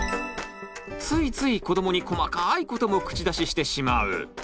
ついつい子どもに細かいことも口出ししてしまう。